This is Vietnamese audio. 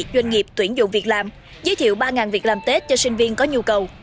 doanh nghiệp tuyển dụng việc làm giới thiệu ba việc làm tết cho sinh viên có nhu cầu